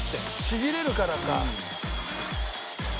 「ちぎれるからか」